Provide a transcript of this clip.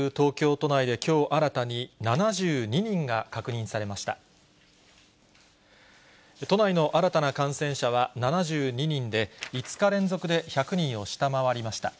都内の新たな感染者は７２人で、５日連続で１００人を下回りました。